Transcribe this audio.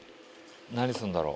何すんだろう？